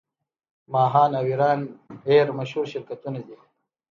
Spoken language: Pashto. ماهان او ایران ایر مشهور شرکتونه دي.